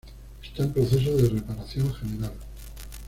Está en proceso de reparación general.